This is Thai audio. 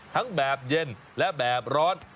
แบบเย็นและแบบร้อน